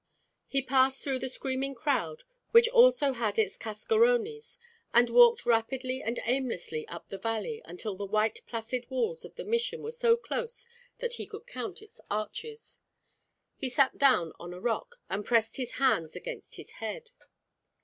He passed through the screaming crowd, which also had its cascarones, and walked rapidly and aimlessly up the valley until the white placid walls of the Mission were so close that he could count its arches. He sat down on a rock, and pressed his hands against his head.